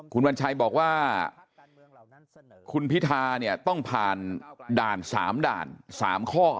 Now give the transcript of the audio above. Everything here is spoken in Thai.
คุณวัญชัยบอกว่าคุณพิธาเนี่ยต้องผ่านด่าน๓ด่าน๓ข้อ